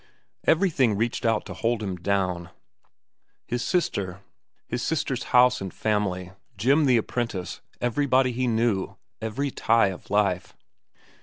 Everything reached out to hold him down—his sister, his sister's house and family, Jim the apprentice, everybody he knew, every tie of life.